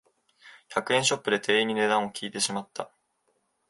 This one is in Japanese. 百円ショップで店員に値段を聞いてしまった